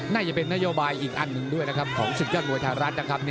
น่าจะเป็นนโยบายอีกอันหนึ่งด้วยนะครับของศึกยอดมวยไทยรัฐนะครับ